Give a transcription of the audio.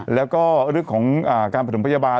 แล้วก็เรื่องของการประถมพยาบาล